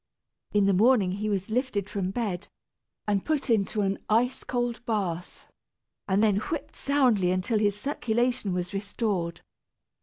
In the morning he was lifted from bed, and put into an ice cold bath, and then whipped soundly until his circulation was restored.